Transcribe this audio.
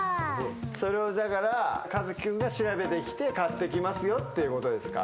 それをだからカズキ君が調べてきて買ってきますよっていうことですか。